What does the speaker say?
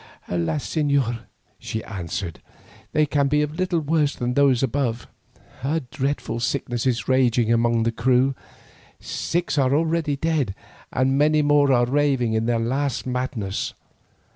"Alas! señor," she answered, "they can be little worse than those above. A dreadful sickness is raging among the crew, six are already dead and many more are raving in their last madness.